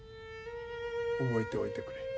覚えておいてくれ。